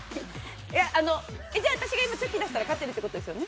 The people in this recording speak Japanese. いや、私がチョキ出したら勝てるってことですよね。